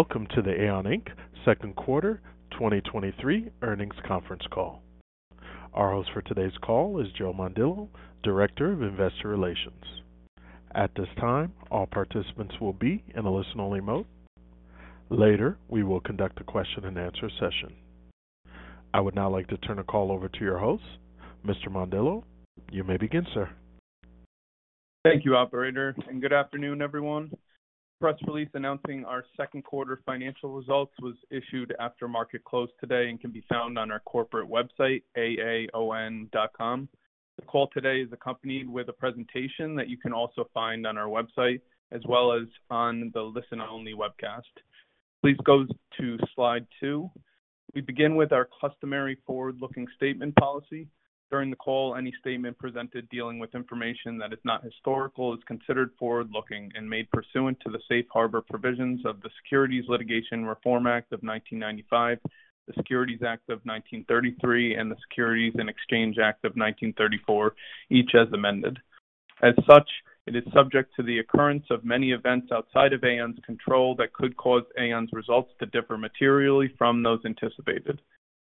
Welcome to the AAON Inc. Second Quarter 2023 Earnings Conference Call. Our host for today's call is Joe Mondillo, Director of Investor Relations. At this time, all participants will be in a listen-only mode. Later, we will conduct a question-and-answer session. I would now like to turn the call over to your host. Mr. Mondillo, you may begin, sir. Thank you, operator. Good afternoon, everyone. Press release announcing our second quarter financial results was issued after market close today and can be found on our corporate website, aaon.com. The call today is accompanied with a presentation that you can also find on our website, as well as on the listen-only webcast. Please go to slide 2. We begin with our customary forward-looking statement policy. During the call, any statement presented dealing with information that is not historical is considered forward-looking and made pursuant to the safe harbor provisions of the Securities Litigation Reform Act of 1995, the Securities Act of 1933, and the Securities and Exchange Act of 1934, each as amended. As such, it is subject to the occurrence of many events outside of AAON's control that could cause AAON's results to differ materially from those anticipated.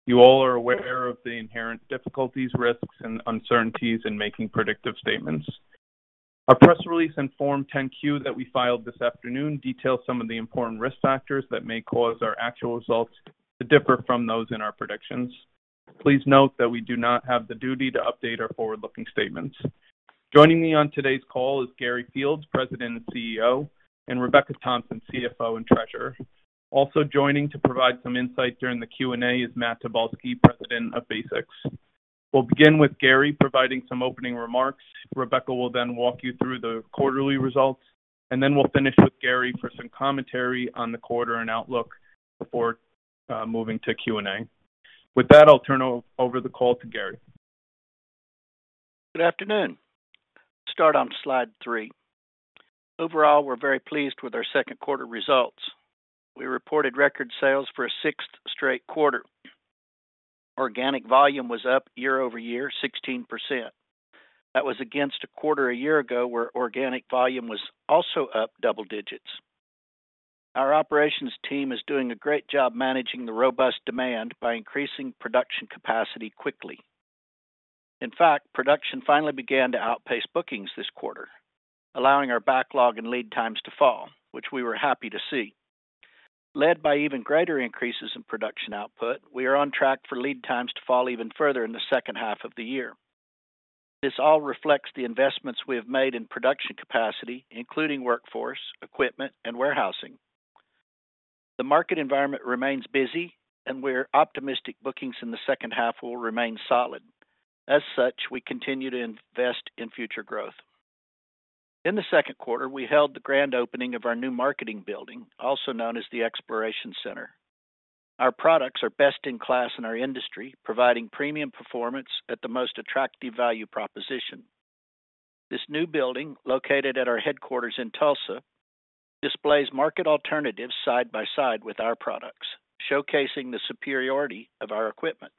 You all are aware of the inherent difficulties, risks, and uncertainties in making predictive statements. Our press release in Form 10-Q that we filed this afternoon details some of the important risk factors that may cause our actual results to differ from those in our predictions. Please note that we do not have the duty to update our forward-looking statements. Joining me on today's call is Gary Fields, President and CEO, and Rebecca Thompson, CFO and Treasurer. Also joining to provide some insight during the Q&A is Matt Tobolski, President of BASX. We'll begin with Gary providing some opening remarks. Rebecca will then walk you through the quarterly results, and then we'll finish with Gary for some commentary on the quarter and outlook before moving to Q&A. With that, I'll turn over the call to Gary. Good afternoon. Start on slide three. Overall, we're very pleased with our second quarter results. We reported record sales for a sixth straight quarter. Organic volume was up year-over-year, 16%. That was against a quarter a year ago, where organic volume was also up double digits. Our operations team is doing a great job managing the robust demand by increasing production capacity quickly. In fact, production finally began to outpace bookings this quarter, allowing our backlog and lead times to fall, which we were happy to see. Led by even greater increases in production output, we are on track for lead times to fall even further in the second half of the year. This all reflects the investments we have made in production capacity, including workforce, equipment, and warehousing. The market environment remains busy, and we're optimistic bookings in the second half will remain solid. As such, we continue to invest in future growth. In the second quarter, we held the grand opening of our new marketing building, also known as the Exploration Center. Our products are best in class in our industry, providing premium performance at the most attractive value proposition. This new building, located at our headquarters in Tulsa, displays market alternatives side by side with our products, showcasing the superiority of our equipment.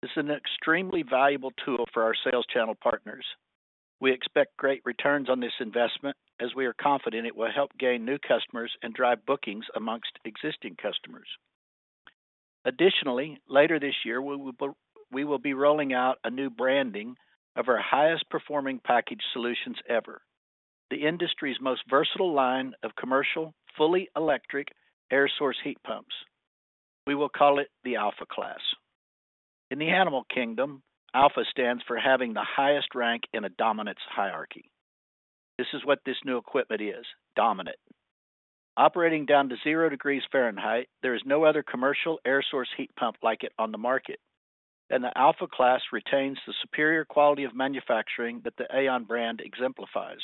This is an extremely valuable tool for our sales channel partners. We expect great returns on this investment as we are confident it will help gain new customers and drive bookings amongst existing customers. Additionally, later this year, we will be rolling out a new branding of our highest performing packaged solutions ever, the industry's most versatile line of commercial, fully electric air-source heat pumps. We will call it the Alpha Class. In the animal kingdom, Alpha stands for having the highest rank in a dominance hierarchy. This is what this new equipment is, dominant. Operating down to 0 degrees Fahrenheit, there is no other commercial air-source heat pump like it on the market, and the Alpha Class retains the superior quality of manufacturing that the AAON brand exemplifies.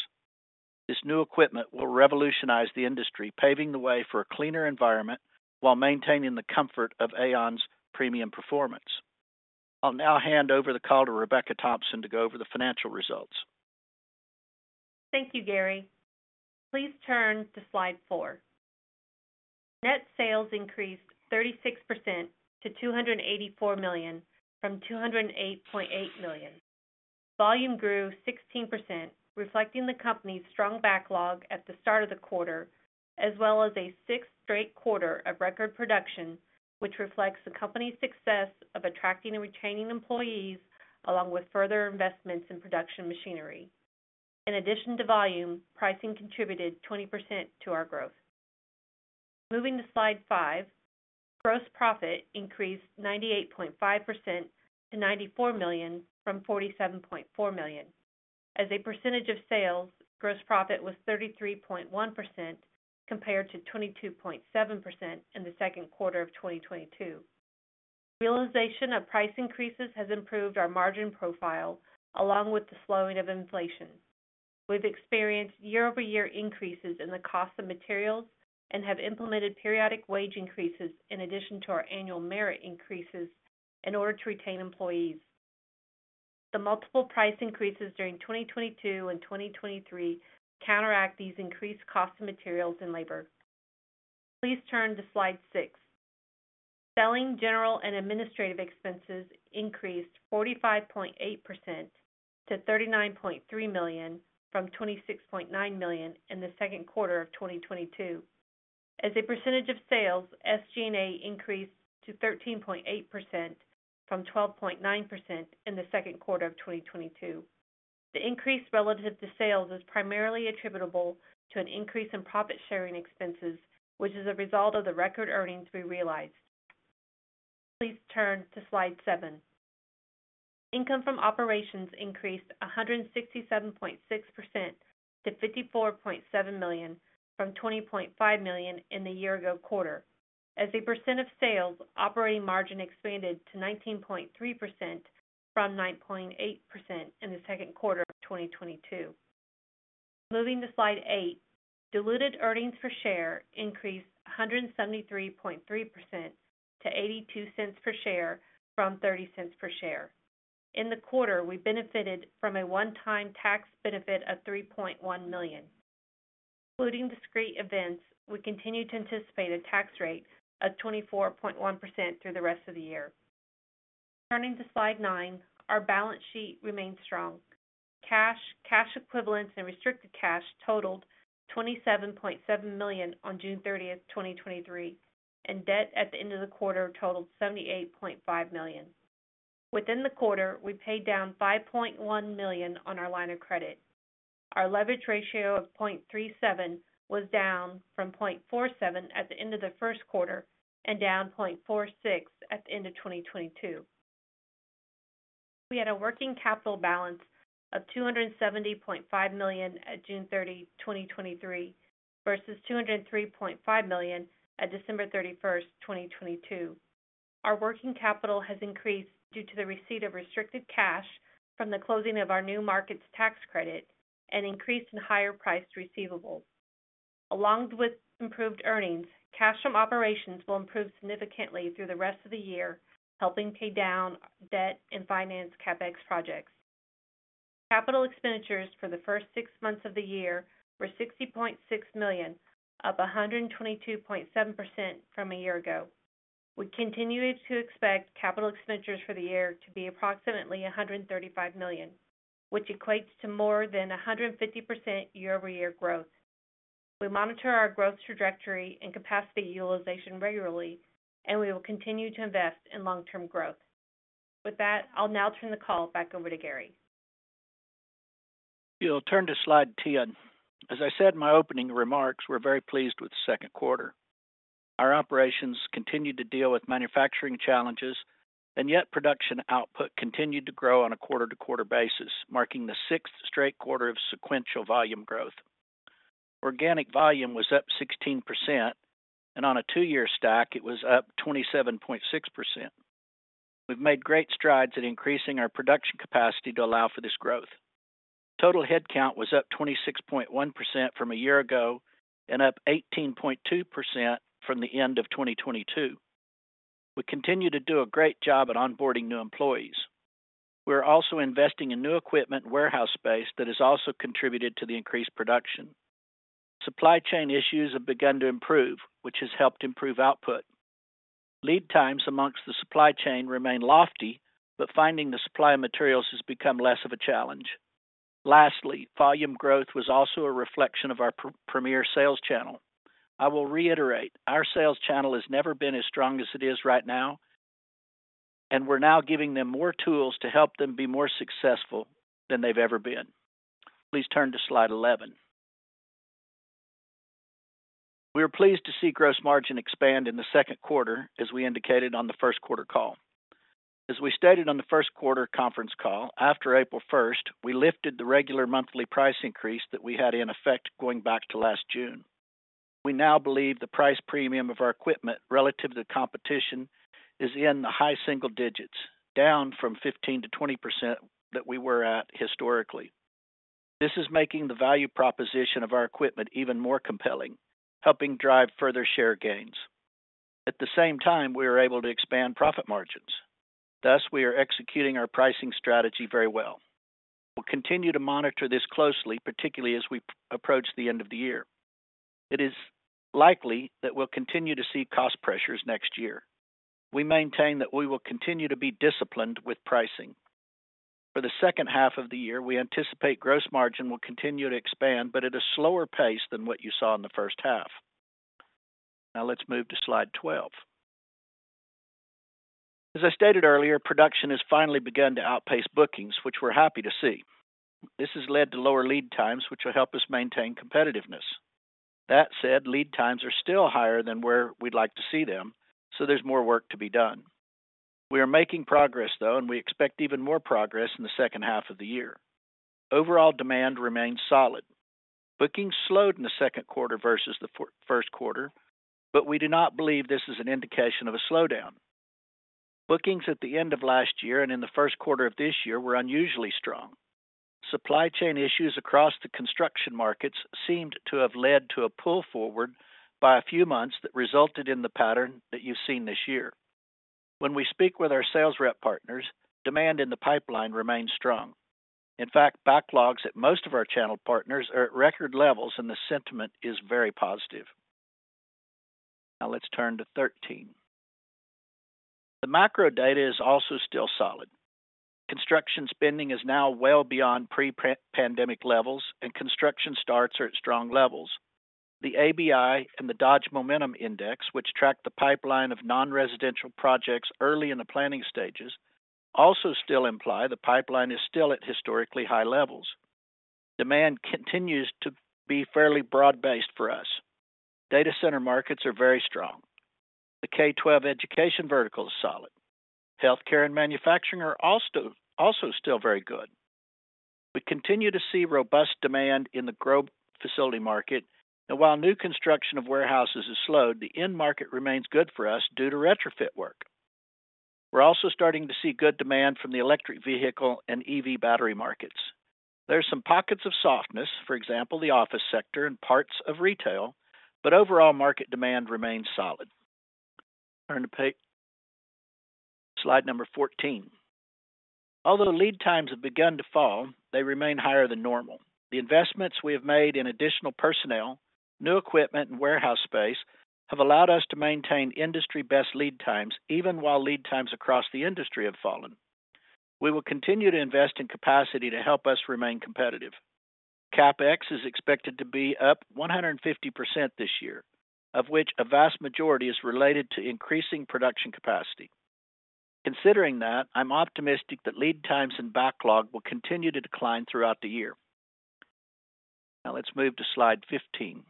This new equipment will revolutionize the industry, paving the way for a cleaner environment while maintaining the comfort of AAON's premium performance. I'll now hand over the call to Rebecca Thompson to go over the financial results. Thank you, Gary. Please turn to slide four. Net sales increased 36% to $284 million from $208.8 million. Volume grew 16%, reflecting the company's strong backlog at the start of the quarter, as well as a 6th straight quarter of record production, which reflects the company's success of attracting and retaining employees, along with further investments in production machinery. In addition to volume, pricing contributed 20% to our growth. Moving to slide five. Gross profit increased 98.5% to $94 million from $47.4 million. As a percentage of sales, gross profit was 33.1%, compared to 22.7% in the second quarter of 2022. Realization of price increases has improved our margin profile, along with the slowing of inflation. We've experienced year-over-year increases in the cost of materials and have implemented periodic wage increases in addition to our annual merit increases in order to retain employees. The multiple price increases during 2022 and 2023 counteract these increased costs of materials and labor. Please turn to slide six. Selling, general, and administrative expenses increased 45.8% to $39.3 million from $26.9 million in the second quarter of 2022. As a percentage of sales, SG&A increased to 13.8% from 12.9% in the second quarter of 2022. The increase relative to sales is primarily attributable to an increase in profit-sharing expenses, which is a result of the record earnings we realized. Please turn to slide seven. Income from operations increased 167.6% to $54.7 million, from $20.5 million in the year ago quarter. As a percent of sales, operating margin expanded to 19.3% from 9.8% in the second quarter of 2022. Moving to slide eight, diluted earnings per share increased 173.3% to $0.82 per share from $0.30 per share. In the quarter, we benefited from a one-time tax benefit of $3.1 million. Including discrete events, we continue to anticipate a tax rate of 24.1% through the rest of the year. Turning to slide nine, our balance sheet remains strong. Cash, cash equivalents, and restricted cash totaled $27.7 million on June 30, 2023, and debt at the end of the quarter totaled $78.5 million. Within the quarter, we paid down $5.1 million on our line of credit. Our leverage ratio of 0.37 was down from 0.47 at the end of the first quarter and down 0.46 at the end of 2022. We had a working capital balance of $270.5 million at June 30, 2023, versus $203.5 million at December 31, 2022. Our working capital has increased due to the receipt of restricted cash from the closing of our New Markets Tax Credit and increase in higher priced receivables. Along with improved earnings, cash from operations will improve significantly through the rest of the year, helping pay down debt and finance CapEx projects. Capital expenditures for the first six months of the year were $60.6 million, up 122.7% from a year ago. We continue to expect capital expenditures for the year to be approximately $135 million, which equates to more than 150% year-over-year growth. We monitor our growth trajectory and capacity utilization regularly, and we will continue to invest in long-term growth. With that, I'll now turn the call back over to Gary. If you'll turn to slide 10. As I said in my opening remarks, we're very pleased with the second quarter. Our operations continued to deal with manufacturing challenges, and yet production output continued to grow on a quarter-over-quarter basis, marking the sixth straight quarter of sequential volume growth. Organic volume was up 16%, and on a two-year stack, it was up 27.6%. We've made great strides in increasing our production capacity to allow for this growth. Total headcount was up 26.1% from a year ago and up 18.2% from the end of 2022. We continue to do a great job at onboarding new employees. We're also investing in new equipment and warehouse space that has also contributed to the increased production. Supply chain issues have begun to improve, which has helped improve output. Lead times amongst the supply chain remain lofty, finding the supply of materials has become less of a challenge. Lastly, volume growth was also a reflection of our premier sales channel. I will reiterate, our sales channel has never been as strong as it is right now, and we're now giving them more tools to help them be more successful than they've ever been. Please turn to slide 11. We are pleased to see gross margin expand in the second quarter, as we indicated on the first quarter call. As we stated on the first quarter conference call, after April 1st, we lifted the regular monthly price increase that we had in effect going back to last June. We now believe the price premium of our equipment relative to the competition is in the high single digits, down from 15%-20% that we were at historically. This is making the value proposition of our equipment even more compelling, helping drive further share gains. At the same time, we are able to expand profit margins. Thus, we are executing our pricing strategy very well. We'll continue to monitor this closely, particularly as we approach the end of the year. It is likely that we'll continue to see cost pressures next year. We maintain that we will continue to be disciplined with pricing. For the second half of the year, we anticipate gross margin will continue to expand, but at a slower pace than what you saw in the first half. Now, let's move to slide 12. As I stated earlier, production has finally begun to outpace bookings, which we're happy to see. This has led to lower lead times, which will help us maintain competitiveness. That said, lead times are still higher than where we'd like to see them, so there's more work to be done. We are making progress, though, and we expect even more progress in the second half of the year. Overall demand remains solid. Bookings slowed in the second quarter versus the first quarter, but we do not believe this is an indication of a slowdown. Bookings at the end of last year and in the first quarter of this year were unusually strong. Supply chain issues across the construction markets seemed to have led to a pull forward by a few months that resulted in the pattern that you've seen this year. When we speak with our sales rep partners, demand in the pipeline remains strong. In fact, backlogs at most of our channel partners are at record levels, and the sentiment is very positive. Now let's turn to 13. The macro data is also still solid. Construction spending is now well beyond pre-pandemic levels. Construction starts are at strong levels. The ABI and the Dodge Momentum Index, which track the pipeline of non-residential projects early in the planning stages, also still imply the pipeline is still at historically high levels. Demand continues to be fairly broad-based for us. Data center markets are very strong. The K-12 education vertical is solid. Healthcare and manufacturing are also still very good. We continue to see robust demand in the growth facility market. While new construction of warehouses has slowed, the end market remains good for us due to retrofit work. We're also starting to see good demand from the electric vehicle and EV battery markets. There are some pockets of softness, for example, the office sector and parts of retail. Overall, market demand remains solid. Turn to slide number 14. Although lead times have begun to fall, they remain higher than normal. The investments we have made in additional personnel, new equipment, and warehouse space have allowed us to maintain industry-best lead times, even while lead times across the industry have fallen. We will continue to invest in capacity to help us remain competitive. CapEx is expected to be up 150% this year, of which a vast majority is related to increasing production capacity. Considering that, I'm optimistic that lead times and backlog will continue to decline throughout the year. Let's move to slide 15.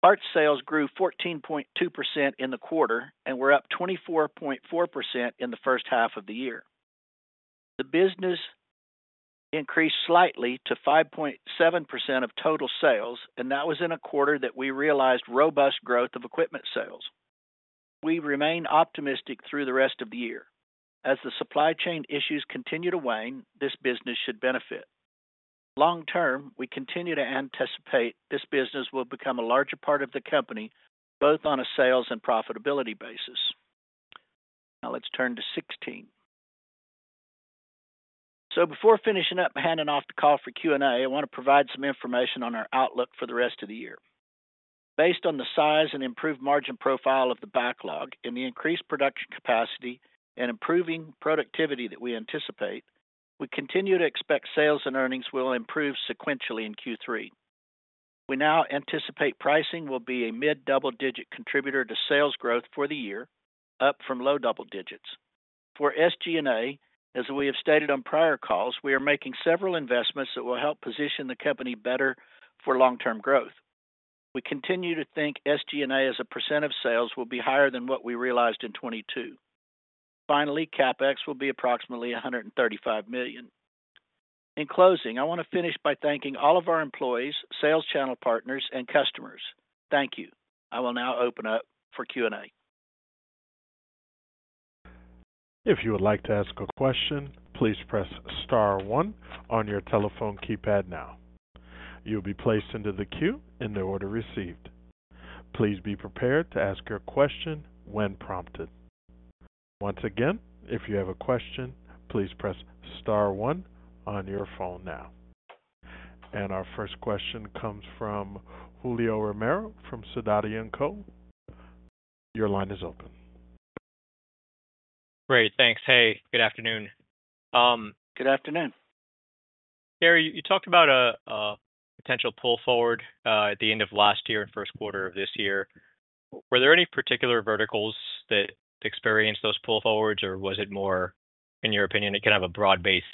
Parts sales grew 14.2% in the quarter and were up 24.4% in the first half of the year. The business increased slightly to 5.7% of total sales, that was in a quarter that we realized robust growth of equipment sales. We remain optimistic through the rest of the year. As the supply chain issues continue to wane, this business should benefit. Long term, we continue to anticipate this business will become a larger part of the company, both on a sales and profitability basis. Now let's turn to 16. Before finishing up and handing off the call for Q&A, I want to provide some information on our outlook for the rest of the year. Based on the size and improved margin profile of the backlog and the increased production capacity and improving productivity that we anticipate, we continue to expect sales and earnings will improve sequentially in Q3. We now anticipate pricing will be a mid-double-digit contributor to sales growth for the year, up from low double digits. For SG&A, as we have stated on prior calls, we are making several investments that will help position the company better for long-term growth. We continue to think SG&A, as a % of sales, will be higher than what we realized in 2022. Finally, CapEx will be approximately $135 million. In closing, I want to finish by thanking all of our employees, sales channel partners, and customers. Thank you. I will now open up for Q&A. If you would like to ask a question, please press star one on your telephone keypad now. You'll be placed into the queue in the order received. Please be prepared to ask your question when prompted. Once again, if you have a question, please press star one on your phone now. Our first question comes from Julio Romero from Sidoti & Company. Your line is open. Great. Thanks. Hey, good afternoon. Good afternoon. Gary, you talked about a potential pull forward at the end of last year and first quarter of this year. Were there any particular verticals that experienced those pull forwards, or was it more, in your opinion, it kind of a broad-based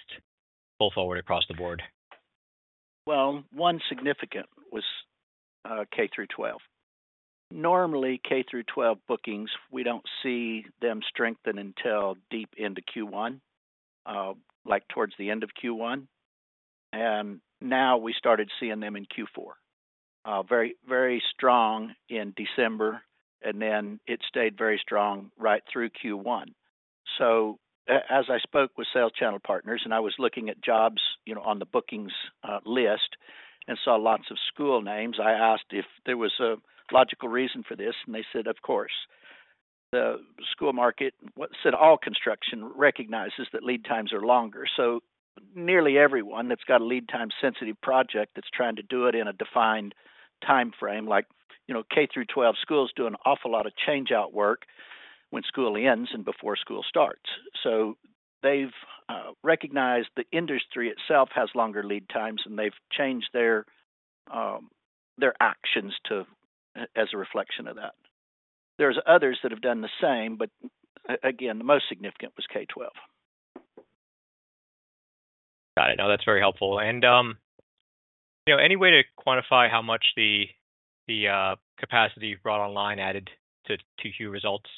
pull forward across the board? Well, one significant was K-12. Normally, K-12 bookings, we don't see them strengthen until deep into Q1, like towards the end of Q1. Now we started seeing them in Q4. Very, very strong in December. Then it stayed very strong right through Q1. As I spoke with sales channel partners, I was looking at jobs, you know, on the bookings list and saw lots of school names. I asked if there was a logical reason for this. They said, "Of course." The school market, what said all construction recognizes that lead times are longer. Nearly everyone that's got a lead time-sensitive project that's trying to do it in a defined timeframe, like, you know, K-12 schools do an awful lot of changeout work when school ends and before school starts. They've recognized the industry itself has longer lead times, and they've changed their actions to, as a reflection of that. There's others that have done the same, but a-again, the most significant was K-12. Got it. Now, that's very helpful. You know, any way to quantify how much the, the, capacity you've brought online added to, to your results?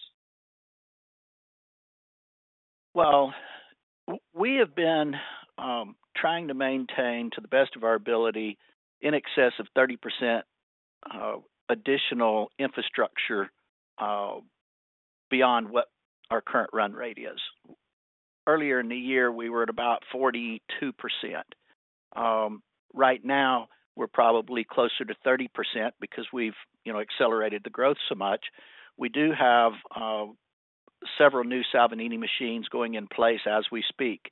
Well, we have been trying to maintain, to the best of our ability, in excess of 30% additional infrastructure beyond what our current run rate is. Earlier in the year, we were at about 42%. Right now, we're probably closer to 30% because we've, you know, accelerated the growth so much. We do have several new Salvagnini machines going in place as we speak.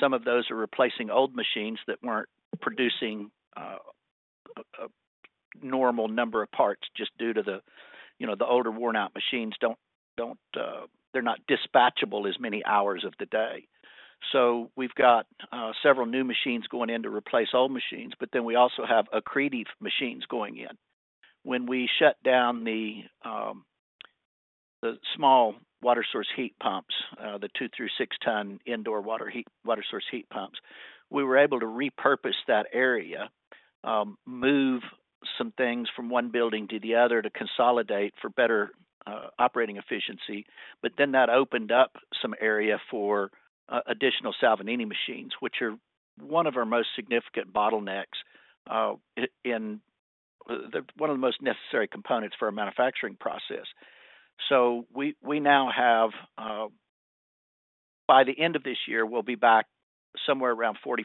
Some of those are replacing old machines that weren't producing a normal number of parts just due to the, you know, the older, worn-out machines don't, don't, they're not dispatchable as many hours of the day. We've got several new machines going in to replace old machines, but then we also have accretive machines going in. When we shut down the small water-source heat pumps, the 2 through 6 ton indoor water-source heat pumps, we were able to repurpose that area, move some things from one building to the other to consolidate for better operating efficiency. That opened up some area for additional Salvagnini machines, which are one of our most significant bottlenecks, one of the most necessary components for our manufacturing process. We, we now have, by the end of this year, we'll be back somewhere around 40-42%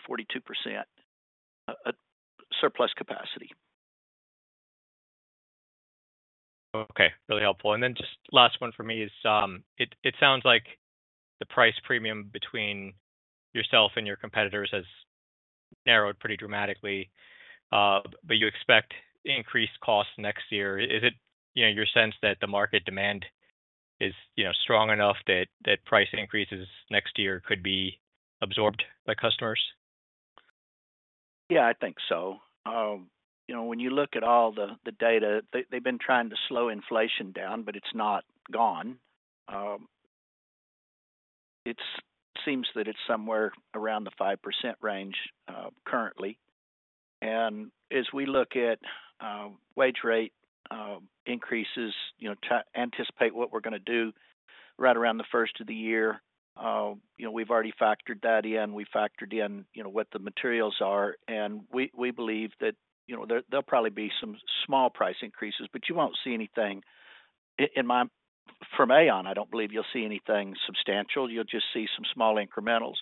surplus capacity. Okay, really helpful. Then just last one for me is, it sounds like the price premium between yourself and your competitors has narrowed pretty dramatically, but you expect increased costs next year. Is it, you know, your sense that the market demand is, you know, strong enough that, that price increases next year could be absorbed by customers? Yeah, I think so. you know, when you look at all the, the data, they, they've been trying to slow inflation down, but it's not gone. It's-- seems that it's somewhere around the 5% range, currently. As we look at, wage rate, increases, you know, to anticipate what we're gonna do right around the first of the year, you know, we've already factored that in. We factored in, you know, what the materials are, and we, we believe that, you know, there, there'll probably be some small price increases, but you won't see anything... I-in my-- from AAON, I don't believe you'll see anything substantial. You'll just see some small incrementals.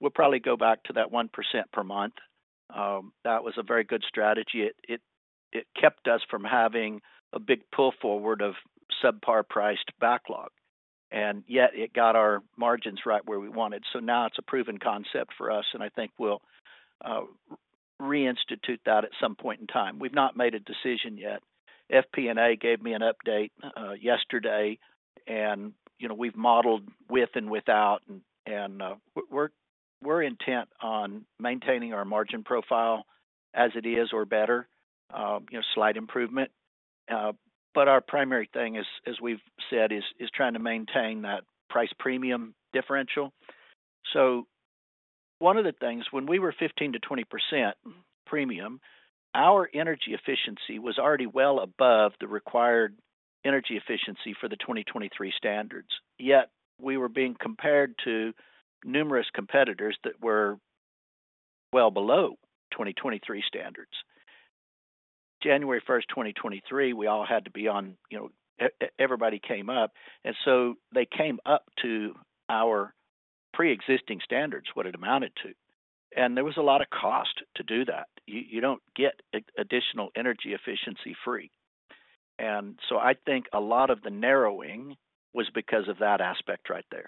We'll probably go back to that 1% per month. That was a very good strategy. It, it, it kept us from having a big pull forward of subpar priced backlog, and yet it got our margins right where we wanted. Now it's a proven concept for us, and I think we'll reinstitute that at some point in time. We've not made a decision yet. FP&A gave me an update yesterday, and, you know, we've modeled with and without, and, and, we're, we're intent on maintaining our margin profile as it is or better, you know, slight improvement. Our primary thing is, as we've said, is, is trying to maintain that price premium differential. One of the things, when we were 15%-20% premium, our energy efficiency was already well above the required energy efficiency for the 2023 standards. We were being compared to numerous competitors that were well below 2023 standards. January 1, 2023, we all had to be on, you know, everybody came up, and so they came up to our preexisting standards, what it amounted to, and there was a lot of cost to do that. You, you don't get additional energy efficiency free. So I think a lot of the narrowing was because of that aspect right there.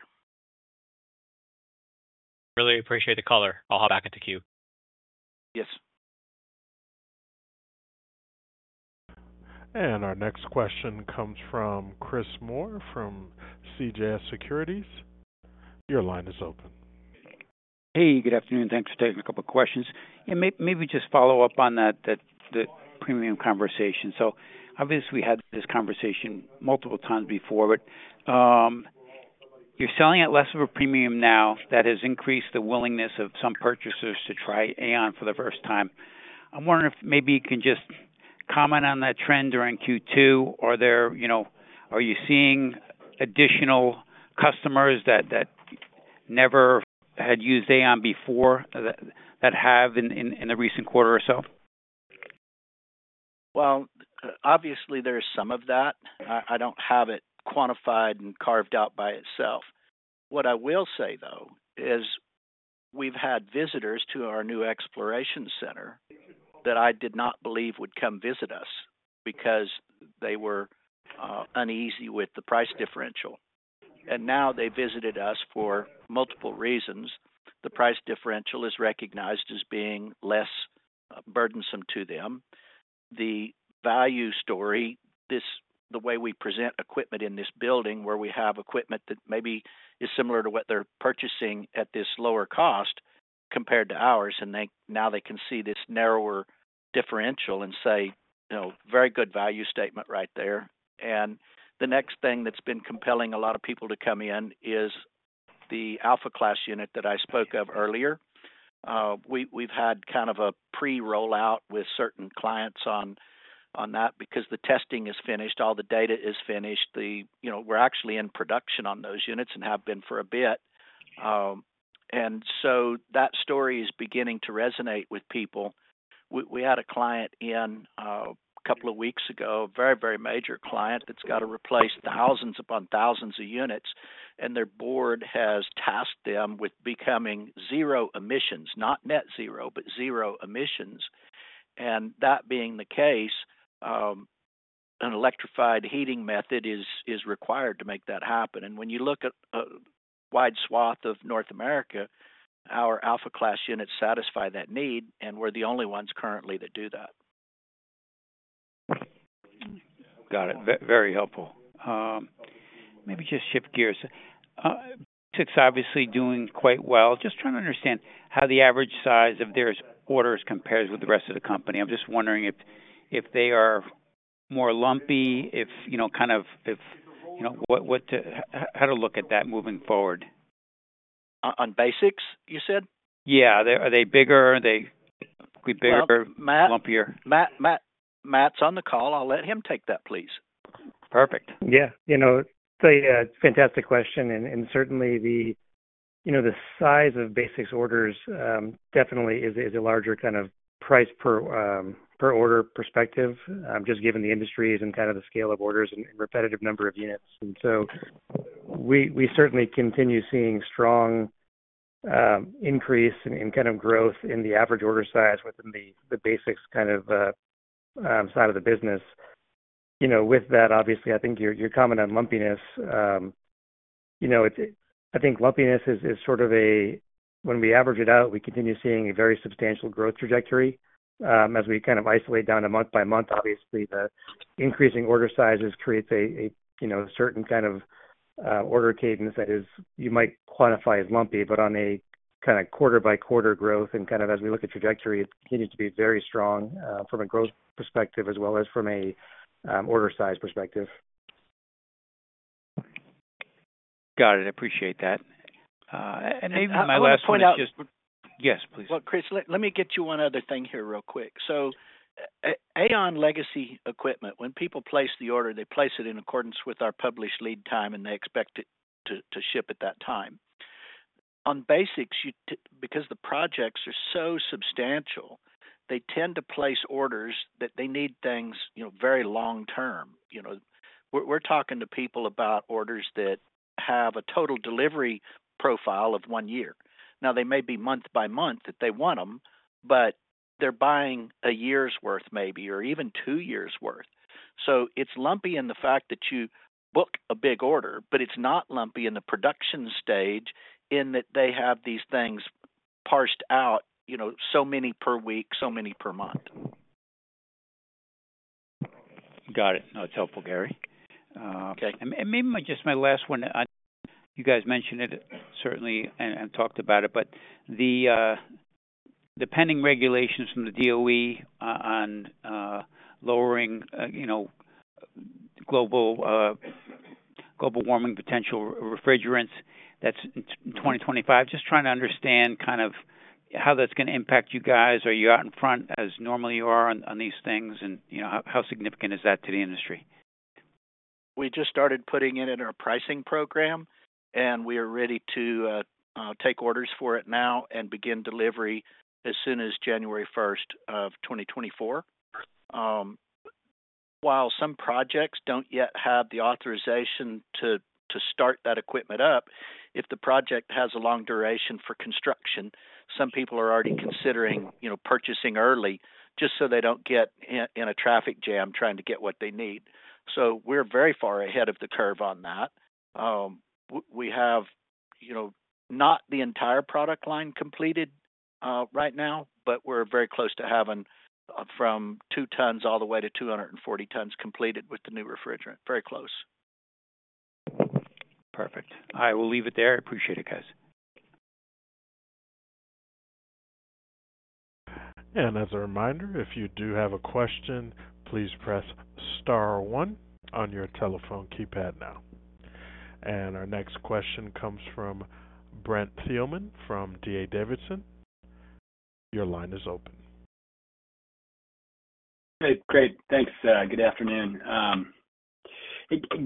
Really appreciate the color. I'll hop back into queue. Yes. Our next question comes from Chris Moore, from CJS Securities. Your line is open. Hey, good afternoon. Thanks for taking a couple questions. Maybe just follow up on that, the premium conversation. Obviously, we had this conversation multiple times before, you're selling at less of a premium now that has increased the willingness of some purchasers to try AAON for the first time. I'm wondering if maybe you can just comment on that trend during Q2, or there, you know, are you seeing additional customers that never had used AAON before, that have in the recent quarter or so? Well, obviously, there's some of that. I don't have it quantified and carved out by itself. What I will say, though, is we've had visitors to our new Exploration Center that I did not believe would come visit us because they were uneasy with the price differential. Now they visited us for multiple reasons. The price differential is recognized as being less burdensome to them. The value story, the way we present equipment in this building, where we have equipment that maybe is similar to what they're purchasing at this lower cost compared to ours, and now they can see this narrower differential and say, "You know, very good value statement right there." The next thing that's been compelling a lot of people to come in is the Alpha Class unit that I spoke of earlier. We, we've had kind of a pre-rollout with certain clients on, on that because the testing is finished, all the data is finished. You know, we're actually in production on those units and have been for a bit. So that story is beginning to resonate with people. We, we had a client in a couple of weeks ago, a very, very major client that's got to replace thousands upon thousands of units, and their board has tasked them with becoming zero emissions, not net zero, but zero emissions. That being the case, an electrified heating method is, is required to make that happen. When you look at a wide swath of North America, our Alpha Class units satisfy that need, and we're the only ones currently that do that. Got it. Very helpful. Maybe just shift gears. It's obviously doing quite well. Just trying to understand how the average size of their orders compares with the rest of the company. I'm just wondering if, if they are more lumpy, if, you know, kind of if, you know, what to how to look at that moving forward. On, on BASX, you said? Yeah. Are they bigger? Are they bigger, lumpier? Matt, Matt, Matt's on the call. I'll let him take that, please. Perfect. Yeah. You know, it's a fantastic question, and, and certainly the, you know, the size of BASX orders, definitely is a, is a larger kind of price per, per order perspective, just given the industries and kind of the scale of orders and repetitive number of units. So we, we certainly continue seeing strong, increase in kind of growth in the average order size within the, the BASX kind of, side of the business. You know, with that, obviously, I think your, your comment on lumpiness, you know, I think lumpiness is, is sort of when we average it out, we continue seeing a very substantial growth trajectory. As we kind of isolate down to month by month, obviously, the increasing order sizes creates a, you know, certain kind of, order cadence that is, you might quantify as lumpy, but on a kinda quarter-by-quarter growth, and kind of as we look at trajectory, it continues to be very strong, from a growth perspective as well as from a, order size perspective. Got it. Appreciate that. My last point out- Yes, please. Chris, let me get you one other thing here real quick. AAON legacy equipment, when people place the order, they place it in accordance with our published lead time, and they expect it to ship at that time. On BASX, because the projects are so substantial, they tend to place orders that they need things, you know, very long-term. You know, we're talking to people about orders that have a total delivery profile of one year. Now, they may be month by month if they want them, but they're buying a year's worth maybe, or even two years' worth. It's lumpy in the fact that you book a big order, but it's not lumpy in the production stage in that they have these things parsed out, you know, so many per week, so many per month. Got it. That's helpful, Gary. Okay, and maybe just my last one. You guys mentioned it, certainly, and, and talked about it, but the pending regulations from the DOE on lowering, you know, Global Warming Potential refrigerants, that's in 2025. Just trying to understand kinda how that's gonna impact you guys. Are you out in front as normally you are on, on these things? You know, how, how significant is that to the industry? We just started putting it in our pricing program, and we are ready to take orders for it now and begin delivery as soon as January 1, 2024. While some projects don't yet have the authorization to, to start that equipment up, if the project has a long duration for construction, some people are already considering, you know, purchasing early just so they don't get in, in a traffic jam trying to get what they need. We're very far ahead of the curve on that. We have, you know, not the entire product line completed right now, but we're very close to having from 2 tons all the way to 240 tons completed with the new refrigerant. Very close. Perfect. I will leave it there. I appreciate it, guys. As a reminder, if you do have a question, please press star one on your telephone keypad now. Our next question comes from Brent Thielemann, from D.A. Davidson. Your line is open. Hey, great. Thanks. Good afternoon.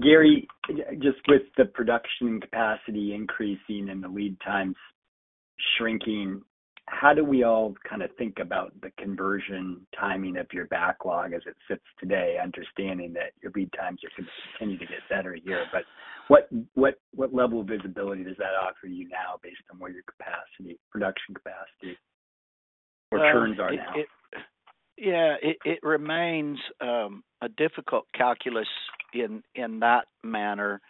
Gary, just with the production capacity increasing and the lead times shrinking, how do we all kinda think about the conversion timing of your backlog as it sits today, understanding that your lead times are going to continue to get better here, but what, what, what level of visibility does that offer you now based on where your capacity, production capacity or turns are now? Yeah, it remains a difficult calculus in that manner.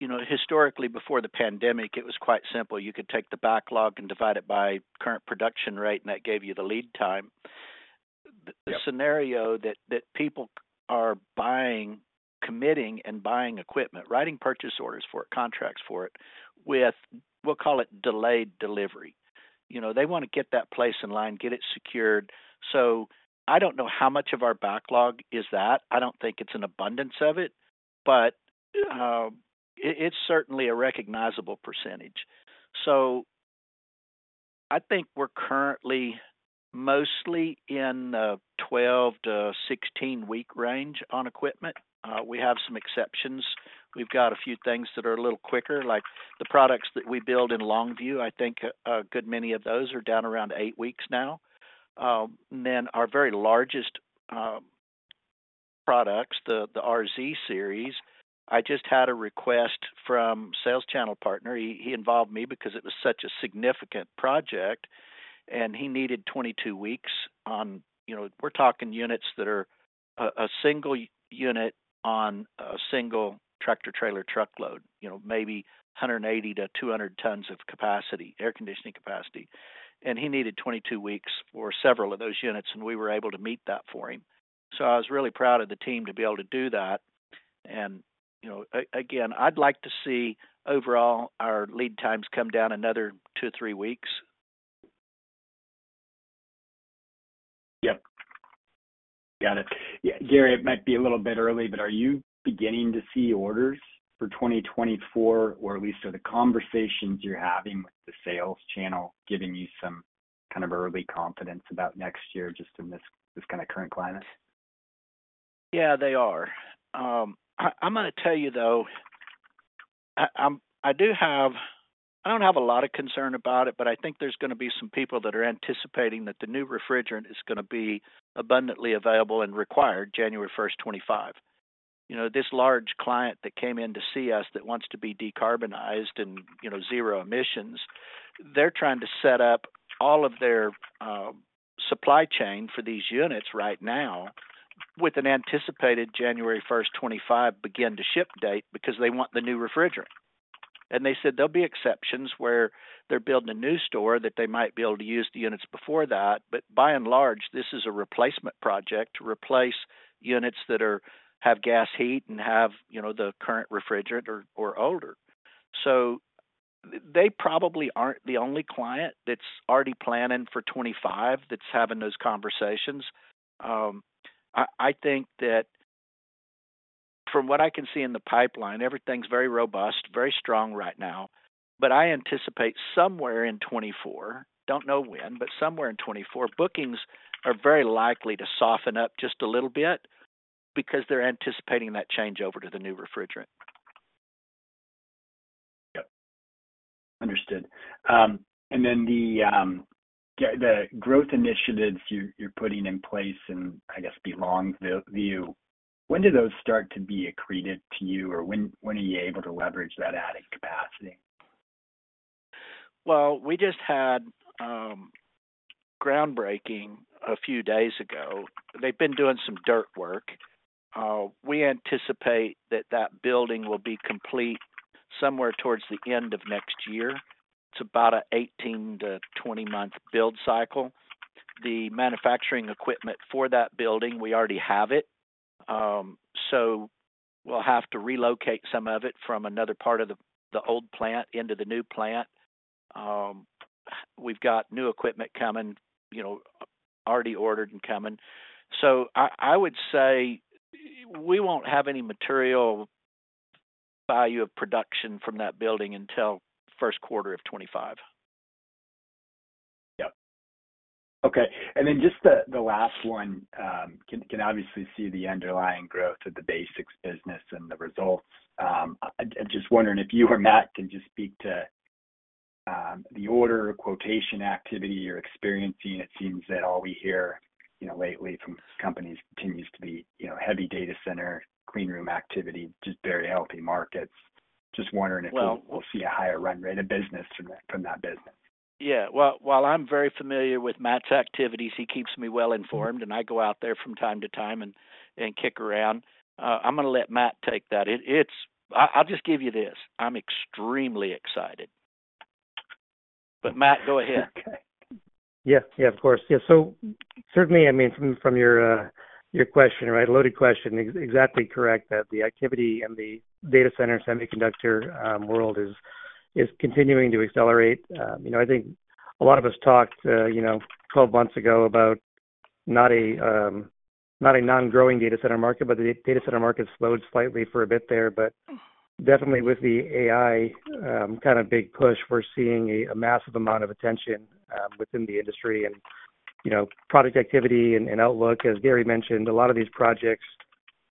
You know, historically, before the pandemic, it was quite simple. You could take the backlog and divide it by current production rate, and that gave you the lead time. Yep. The scenario that, that people are buying, committing, and buying equipment, writing purchase orders for it, contracts for it, with, we'll call it delayed delivery. You know, they wanna get that place in line, get it secured. I don't know how much of our backlog is that. I don't think it's an abundance of it, but it, it's certainly a recognizable percentage. I think we're currently mostly in 12-16 week range on equipment. We have some exceptions. We've got a few things that are a little quicker, like the products that we build in Longview. I think a, a good many of those are down around 8 weeks now. Our very largest products, the RZ Series, I just had a request from sales channel partner. He involved me because it was such a significant project, he needed 22 weeks. You know, we're talking units that are a single unit on a single tractor-trailer truckload, you know, maybe 180-200 tons of capacity, air conditioning capacity. He needed 22 weeks for several of those units, and we were able to meet that for him. I was really proud of the team to be able to do that, and, you know, again, I'd like to see overall our lead times come down another 2-3 weeks. Yep. Got it. Yeah, Gary, it might be a little bit early, but are you beginning to see orders for 2024? At least, are the conversations you're having with the sales channel giving you some kind of early confidence about next year, just in this kinda current climate? Yeah, they are. I, I'm gonna tell you though, I, I don't have a lot of concern about it, but I think there's gonna be some people that are anticipating that the new refrigerant is gonna be abundantly available and required January 1, 2025. You know, this large client that came in to see us, that wants to be decarbonized and, you know, zero emissions, they're trying to set up all of their supply chain for these units right now with an anticipated January 1, 2025, begin to ship date because they want the new refrigerant. They said there'll be exceptions where they're building a new store that they might be able to use the units before that. By and large, this is a replacement project to replace units that have gas heat and have, you know, the current refrigerant or older. They probably aren't the only client that's already planning for 2025, that's having those conversations. I, I think that from what I can see in the pipeline, everything's very robust, very strong right now. I anticipate somewhere in 2024, don't know when, but somewhere in 2024, bookings are very likely to soften up just a little bit because they're anticipating that change over to the new refrigerant. Yep. Understood. Then the, yeah, the growth initiatives you're, you're putting in place, I guess beyond the view, when do those start to be accreted to you, or when, when are you able to leverage that added capacity? Well, we just had groundbreaking a few days ago. They've been doing some dirt work. We anticipate that that building will be complete somewhere towards the end of next year. It's about a 18-20 month build cycle. The manufacturing equipment for that building, we already have it. So we'll have to relocate some of it from another part of the, the old plant into the new plant. We've got new equipment coming, you know, already ordered and coming. I, I would say we won't have any material value of production from that building until first quarter of 2025. Yep. Okay, then just the, the last one, can obviously see the underlying growth of the BASX business and the results. I'm just wondering if you or Matt can just speak to the order quotation activity you're experiencing. It seems that all we hear, you know, lately from companies continues to be, you know, heavy data center, clean room activity, just very healthy markets. Just wondering. Well- We'll see a higher run rate of business from that, from that business. Yeah. Well, while I'm very familiar with Matt's activities, he keeps me well informed, and I go out there from time to time and, and kick around. I'm gonna let Matt take that. I'll just give you this: I'm extremely excited. Matt, go ahead. Okay. Yeah. Yeah, of course. Yeah, certainly, I mean, from, from your, your question, right, loaded question, exactly correct that the activity in the data center semiconductor world is, is continuing to accelerate. You know, I think a lot of us talked, you know, 12 months ago about not a, not a non-growing data center market, but the data center market slowed slightly for a bit there. Definitely with the AI, kinda big push, we're seeing a, a massive amount of attention within the industry and, you know, product activity and, and outlook. As Gary mentioned, a lot of these projects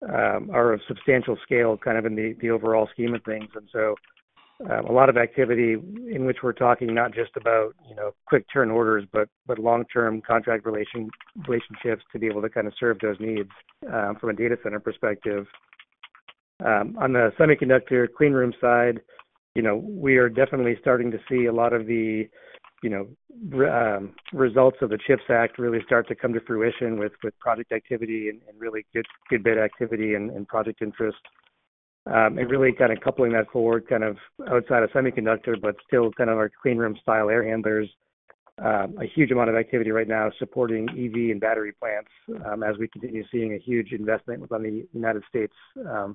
are of substantial scale, kind of in the, the overall scheme of things. A lot of activity in which we're talking not just about, you know, quick turn orders, but, but long-term contract relationships to be able to kinda serve those needs from a data center perspective. On the semiconductor clean room side, you know, we are definitely starting to see a lot of the, you know, results of the CHIPS Act really start to come to fruition with, with product activity and, and really good, good bit activity and, and product interest. Really kind of coupling that forward, kind of outside of semiconductor, but still kind of our clean room style air handlers. A huge amount of activity right now supporting EV and battery plants, as we continue seeing a huge investment within the United States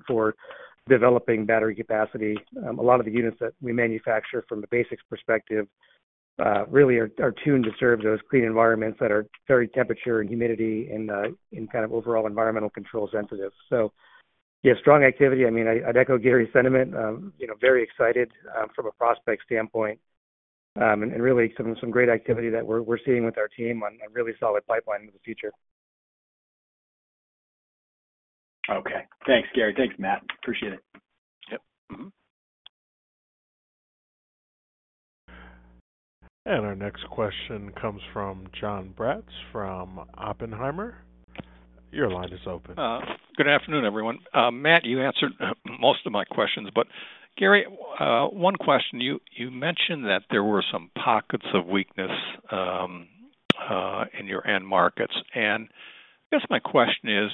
for developing battery capacity. A lot of the units that we manufacture from the BASX perspective, really are, are tuned to serve those clean environments that are very temperature and humidity and, and kind of overall environmental control sensitive. Yeah, strong activity. I mean, I, I'd echo Gary's sentiment, you know, very excited, from a prospect standpoint. And really some, some great activity that we're, we're seeing with our team on a really solid pipeline in the future. Okay. Thanks, Gary. Thanks, Matt. Appreciate it. Yep. Mm-hmm. Our next question comes from John Braatz from Oppenheimer. Your line is open. Good afternoon, everyone. Matt, you answered most of my questions, but Gary, one question. You, you mentioned that there were some pockets of weakness in your end markets, and I guess my question is: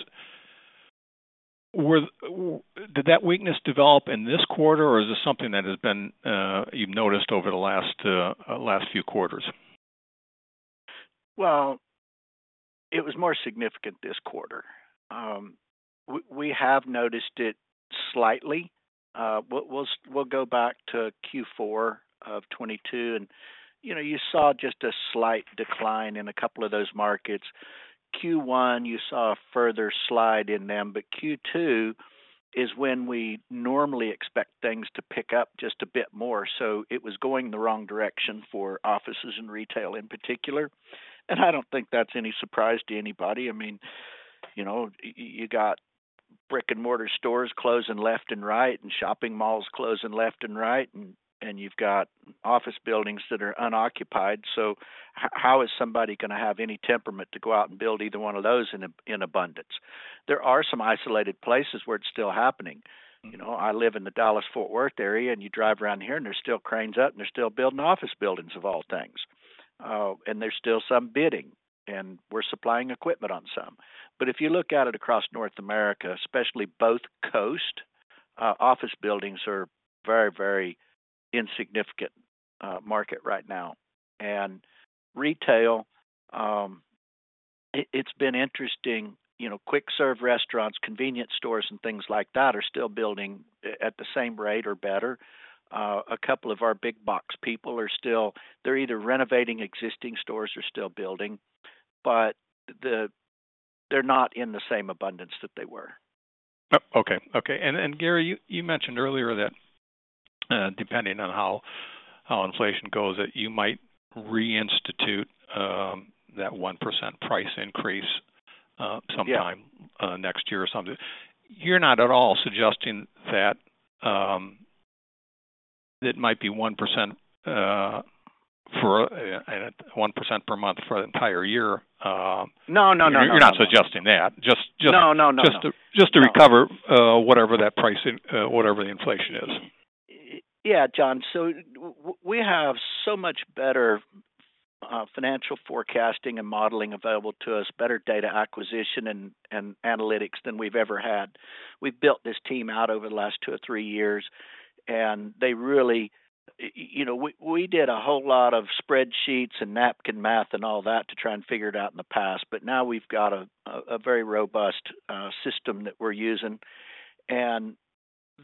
did that weakness develop in this quarter, or is this something that has been, you've noticed over the last few quarters? Well, it was more significant this quarter. We have noticed it slightly. We'll, we'll go back to Q4 of 2022, and, you know, you saw just a slight decline in a couple of those markets. Q1, you saw a further slide in them, but Q2 is when we normally expect things to pick up just a bit more. It was going in the wrong direction for offices and retail in particular. I don't think that's any surprise to anybody. I mean, you know, you got brick-and-mortar stores closing left and right, and shopping malls closing left and right, and, and you've got office buildings that are unoccupied. How is somebody gonna have any temperament to go out and build either one of those in abundance? There are some isolated places where it's still happening. You know, I live in the Dallas-Fort Worth area, and you drive around here, and there's still cranes up, and they're still building office buildings, of all things. There's still some bidding, and we're supplying equipment on some. If you look at it across North America, especially both coasts, office buildings are very, very insignificant market right now. Retail, it, it's been interesting. You know, quick-serve restaurants, convenience stores, and things like that are still building at the same rate or better. A couple of our big box people are still... They're either renovating existing stores or still building, but they're not in the same abundance that they were. Oh, okay. Okay, and, and, Gary, you, you mentioned earlier that, depending on how, how inflation goes, that you might reinstitute, that 1% price increase... Yeah... sometime, next year or something. You're not at all suggesting that, it might be 1%, for, 1% per month for the entire year, No, no, no, no, no. You're not suggesting that. Just. No, no, no, no.... Just to, just to recover, whatever that price, whatever the inflation is. Yeah, John. We have so much better financial forecasting and modeling available to us, better data acquisition and analytics than we've ever had. We've built this team out over the last two or three years, and they really... you know, we did a whole lot of spreadsheets and napkin math and all that to try and figure it out in the past, but now we've got a very robust system that we're using.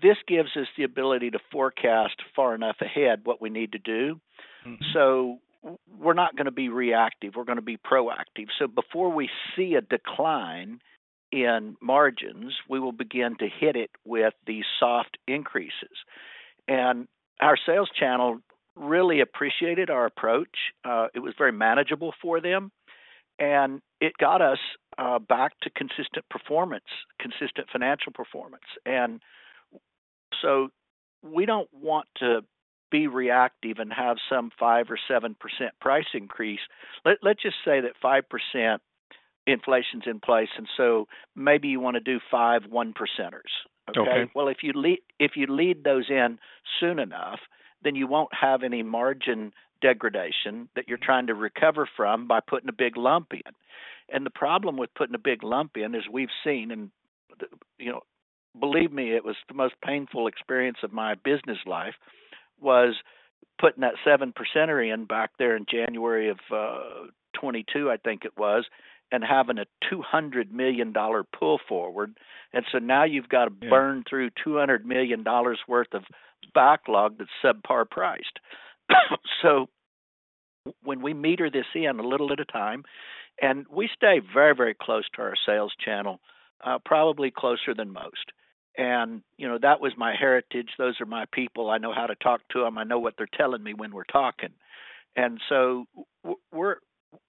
This gives us the ability to forecast far enough ahead what we need to do. Mm-hmm. We're not gonna be reactive. We're gonna be proactive. Before we see a decline in margins, we will begin to hit it with these soft increases. Our sales channel really appreciated our approach. It was very manageable for them, and it got us back to consistent performance, consistent financial performance. We don't want to be reactive and have some 5% or 7% price increase. Let's just say that 5% inflation's in place, maybe you want to do 5, 1 percenters. Okay. Well, if you if you lead those in soon enough, then you won't have any margin degradation that you're trying to recover from by putting a big lump in. The problem with putting a big lump in is we've seen, and, you know, believe me, it was the most painful experience of my business life, was putting that seven percenter in back there in January of 2022, I think it was, and having a $200 million pull forward. Now you've got... Yeah to burn through $200 million worth of backlog that's subpar priced. When we meter this in a little at a time, and we stay very, very close to our sales channel, probably closer than most. You know, that was my heritage. Those are my people. I know how to talk to them. I know what they're telling me when we're talking. So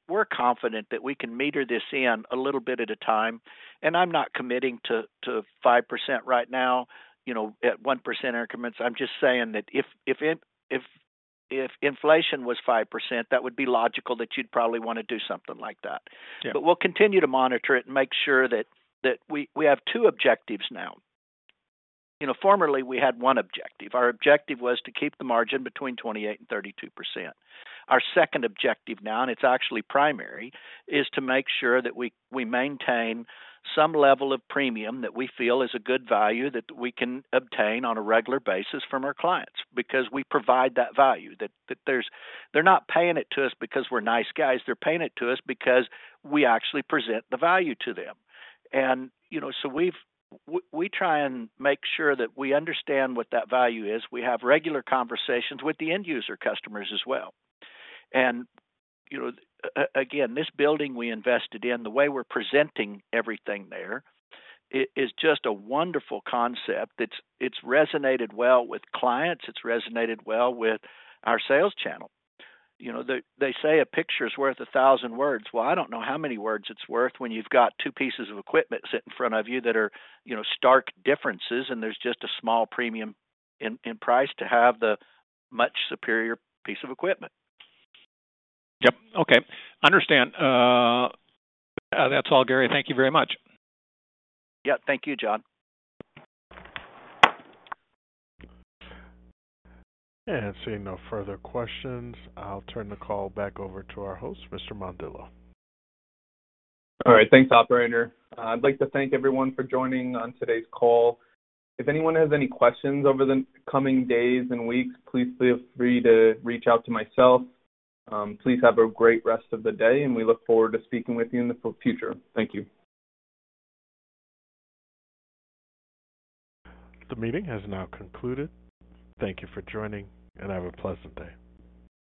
we're confident that we can meter this in a little bit at a time, and I'm not committing to, to 5% right now, you know, at 1% increments. I'm just saying that if, if inflation was 5%, that would be logical, that you'd probably want to do something like that. Yeah. We'll continue to monitor it and make sure that we, we have two objectives now. You know, formerly we had one objective. Our objective was to keep the margin between 28% and 32%. Our second objective now, and it's actually primary, is to make sure that we, we maintain some level of premium that we feel is a good value, that we can obtain on a regular basis from our clients, because we provide that value. That they're not paying it to us because we're nice guys. They're paying it to us because we actually present the value to them. You know, so we've we try and make sure that we understand what that value is. We have regular conversations with the end-user customers as well. You know, again, this building we invested in, the way we're presenting everything there, it is just a wonderful concept. It's, it's resonated well with clients. It's resonated well with our sales channel. You know, they, they say a picture is worth 1,000 words. Well, I don't know how many words it's worth when you've got 2 pieces of equipment sitting in front of you that are, you know, stark differences, and there's just a small premium in price to have the much superior piece of equipment. Yep. Okay, understand. That's all, Gary. Thank you very much. Yeah. Thank you, John. Seeing no further questions, I'll turn the call back over to our host, Mr. Mondillo. All right. Thanks, operator. I'd like to thank everyone for joining on today's call. If anyone has any questions over the coming days and weeks, please feel free to reach out to myself. Please have a great rest of the day, and we look forward to speaking with you in the future. Thank you. The meeting has now concluded. Thank you for joining, and have a pleasant day.